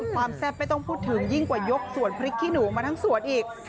แซ่บไม่ต้องพูดถึงยิ่งกว่ายกสวนพริกขี้หนูมาทั้งสวนอีก